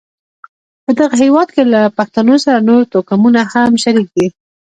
په دغه هېواد کې له پښتنو سره نور توکمونه هم شریک دي.